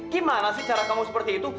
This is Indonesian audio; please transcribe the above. gimana sih cara kamu seperti itu